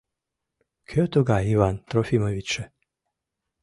— Кӧ тугай Иван Трофимовичше?